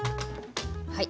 はい。